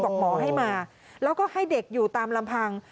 บอกหมอให้มาแล้วก็ให้เด็กอยู่ตามลำพัง